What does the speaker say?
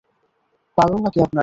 পাগল নাকি আপনারা?